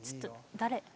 誰？